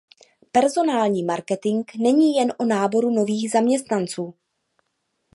Personální marketing není jen o náboru nových zaměstnanců.